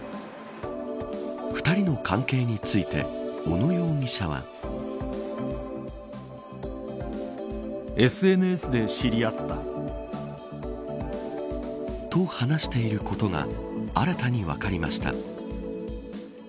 ２人の関係について小野容疑者は。と話していることが新たに分かりました。